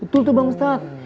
betul tuh bang ustadz